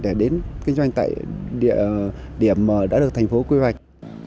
để đến kinh doanh tại địa điểm mà đã được thành phố quy hoạch